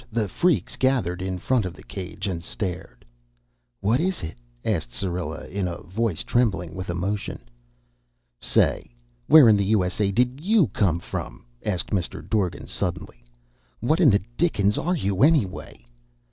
The freaks gathered in front of the cage and stared. "What is it?" asked Syrilla in a voice trembling with emotion. "Say! Where in the U.S.A. did you come from?" asked Mr. Dorgan suddenly. "What in the dickens are you, anyway?"